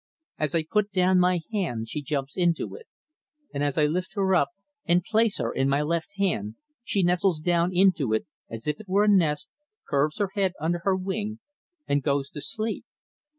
As I put down my hand she jumps into it, and as I lift her up and place her in my left hand she nestles down into it as if it were a nest, curves her head under her wing, and goes to sleep.